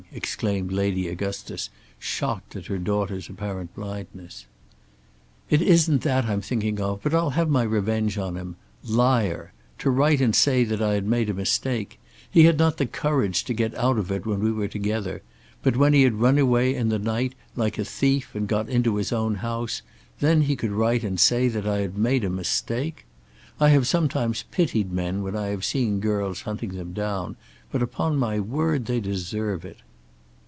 exclaimed Lady Augustus, shocked at her daughter's apparent blindness. "It isn't that I'm thinking of, but I'll have my revenge on him. Liar! To write and say that I had made a mistake! He had not the courage to get out of it when we were together; but when he had run away in the night, like a thief, and got into his own house, then he could write and say that I had made a mistake! I have sometimes pitied men when I have seen girls hunting them down, but upon my word they deserve it."